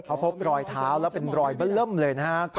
เขาพบรอยเท้าแล้วเป็นรอยเบล้มเลยนะฮะ